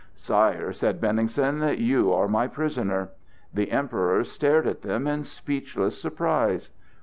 "Sire," said Benningsen, "you are my prisoner!" The Emperor stared at them in speechless surprise.